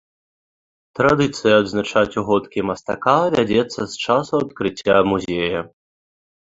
Традыцыя адзначаць угодкі мастака вядзецца з часу адкрыцця музея.